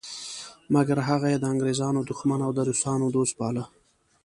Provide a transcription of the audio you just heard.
مګر هغه یې د انګریزانو دښمن او د روسانو دوست باله.